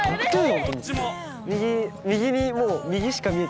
右にもう。